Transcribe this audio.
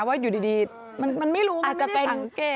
ว่าอยู่ดีมันไม่รู้มันไม่ได้สังเกต